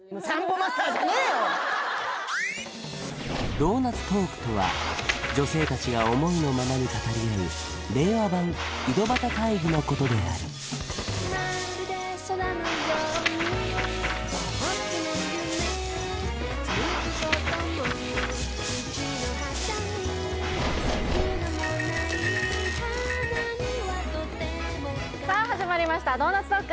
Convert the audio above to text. ドーナツトークとは女性達が思いのままに語り合う令和版井戸端会議のことであるさあ始まりました「ドーナツトーク」！